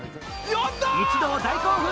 一同大興奮の嵐！